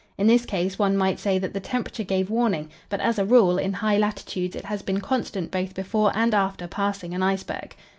In this case one might say that the temperature gave warning, but, as a rule, in high latitudes it has been constant both before and after passing an iceberg.